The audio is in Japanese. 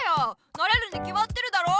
なれるにきまってるだろ。